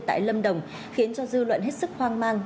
tại lâm đồng khiến cho dư luận hết sức hoang mang